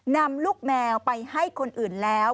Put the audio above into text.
นำลูกแมวไปให้คนอื่นแล้ว